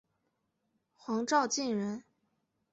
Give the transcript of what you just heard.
黄兆晋人。